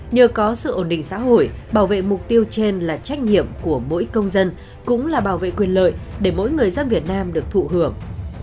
nhiệm của mỗi công dân cũng là bảo vệ quyền lợi để mỗi người dân việt nam được thụ hưởng